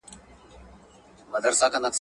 او هغه هدف ته د رسیدو هڅه کول دي.